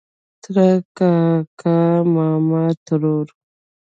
ترۀ کاکا ماما ترور